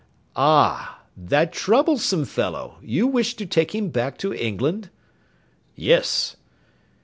"Ah! that troublesome fellow; you wish to take him back to England?" "Yes.